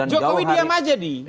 jokowi diam aja di